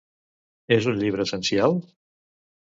És un llibre essencial?